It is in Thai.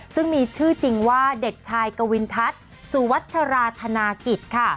ซึ่งมีชื่อจริงว่าเด็กชายกวินทัศน์สุวัชราธนากิจค่ะ